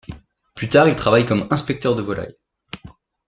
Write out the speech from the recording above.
Plus tard, il travaille comme inspecteur de volailles.